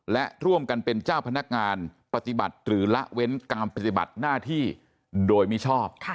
และร่วมกันเป็นเจ้าพนักงานปฏิบัติหรือละเว้นการปฏิบัติหน้าที่โดยมิชอบ